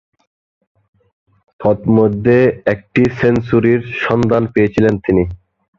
তন্মধ্যে, একটি সেঞ্চুরির সন্ধান পেয়েছিলেন তিনি।